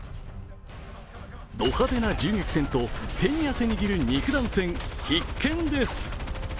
ド派手な銃撃戦と手に汗握る肉弾戦、必見です。